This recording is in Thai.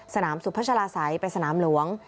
สนามสุพชาลาศัยไปสนามหลวง